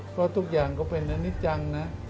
เพราะทุกอย่างก็เป็นอันนี้จังนะ